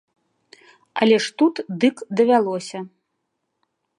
Але ж тут дык давялося.